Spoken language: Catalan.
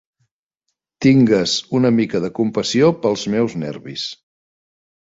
Tingues una mica de compassió pels meus nervis.